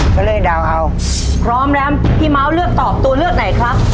ก็เลยเดาเอาพร้อมแล้วพี่เมาส์เลือกตอบตัวเลือกไหนครับ